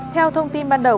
theo thông tin ban đầu